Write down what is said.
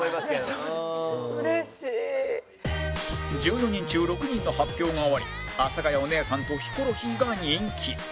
１４人中６人の発表が終わり阿佐ヶ谷お姉さんとヒコロヒーが人気